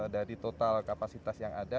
dari total kapasitas yang ada